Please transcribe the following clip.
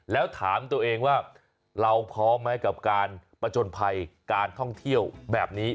แล้วถามตัวเองว่าเราพร้อมไหมกับการประจนภัยการท่องเที่ยวแบบนี้